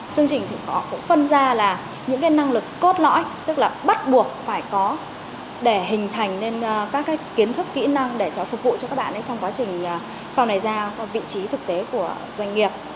chương trình thì có phân ra là những cái năng lực cốt lõi tức là bắt buộc phải có để hình thành nên các cái kiến thức kỹ năng để cho phục vụ cho các bạn trong quá trình sau này ra vị trí thực tế của doanh nghiệp